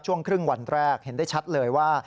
ช่วงครึ่งวันแรกเห็นได้ชัดเลยว่า